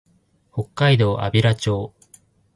北海道安平町